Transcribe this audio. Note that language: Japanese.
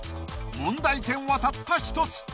問題点はたった１つ。